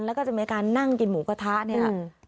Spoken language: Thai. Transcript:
แล้วก็จะมีการนั่งกินหมูกระทะเนี่ย